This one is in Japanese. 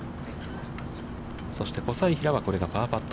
そして小斉平は、これがパーパット。